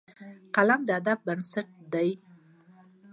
قلم د ادب بنسټ دی